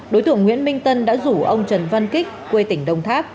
đối tượng nguyễn minh tân đã rủ ông trần văn kích quê tỉnh đồng tháp